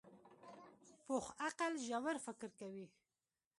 پوخ عقل ژور فکر کوي